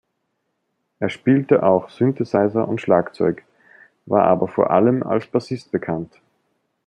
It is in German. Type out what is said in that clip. Er spielte auch Synthesizer und Schlagzeug, war aber vor allem als Bassist bekannt.